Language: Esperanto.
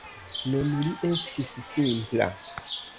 Nun li estis simpla.